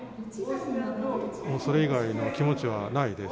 それ以外の気持ちはないです。